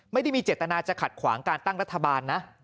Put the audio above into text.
ไม่ได้มีเจตนาจะขัดขวางการตั้งรัฐบาลนะ